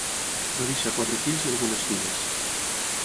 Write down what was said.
Va deixar quatre fills i algunes filles.